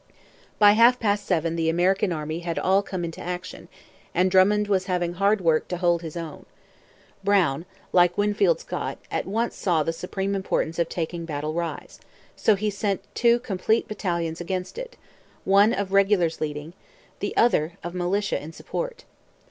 By half past seven the American army had all come into action, and Drummond was having hard work to hold his own. Brown, like Winfield Scott, at once saw the supreme importance of taking Battle Rise; so he sent two complete battalions against it, one of regulars leading, the other, of militia, in support.